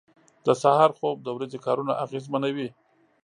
• د سهار خوب د ورځې کارونه اغېزمنوي.